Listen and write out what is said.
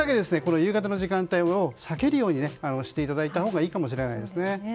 夕方の時間帯を避けるようにしていただいたほうがいいかもしれないですね。